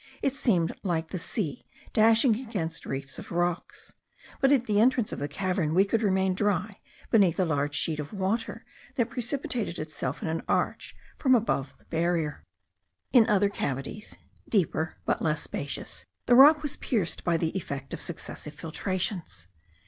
It seemed like the sea dashing against reefs of rocks; but at the entrance of the cavern we could remain dry beneath a large sheet of water that precipitated itself in an arch from above the barrier. In other cavities, deeper, but less spacious, the rock was pierced by the effect of successive filtrations.